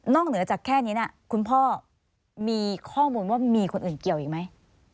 เหนือจากแค่นี้นะคุณพ่อมีข้อมูลว่ามีคนอื่นเกี่ยวอีกไหม